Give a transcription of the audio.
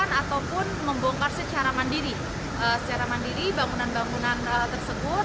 ataupun membongkar secara mandiri bangunan bangunan tersebut